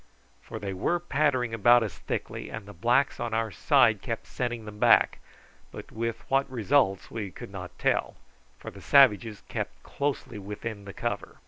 For they were pattering about us thickly, and the blacks on our side kept sending them back, but with what result we could not tell, for the savages kept closely within the cover.